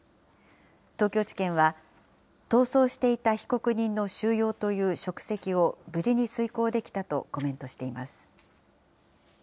東京地検は、逃走していた被告人の収容という職責を無事に遂行できたとコメン